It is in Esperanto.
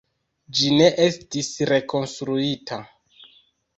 Ĝi ne estis rekonstruita.